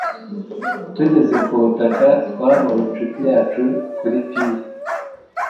Tugeze ku butaka twabonye inshuti yacu kuri pir